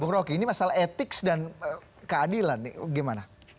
bok rocky ini masalah etik dan keadilan gimana